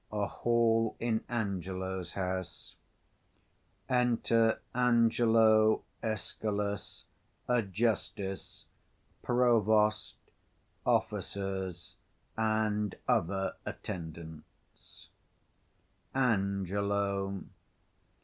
A hall in ANGELO'S house. Enter ANGELO, ESCALUS, and a Justice, Provost, Officers, and other Attendants, behind. _Ang.